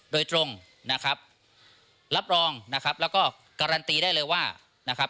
โดยตรงรับรองและการันตีได้เลยว่า